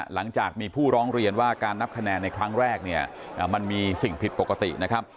หลังจากมีผู้ร้องเรียนว่าการนับคะแนนในครั้งแรกเนี่ยมันมีสิ่งผิดปกตินะครับ